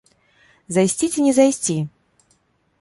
Зайсці ці не зайсці?